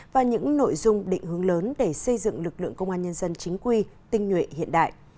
và những nội dung định hướng lớn để xây dựng lực lượng công an nhân dân chính quy tinh nhuệ hiện đại